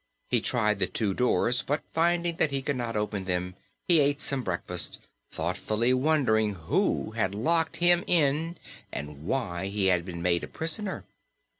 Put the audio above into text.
He tried the two doors, but finding that he could not open them he ate some breakfast, thoughtfully wondering who had locked him in and why he had been made a prisoner.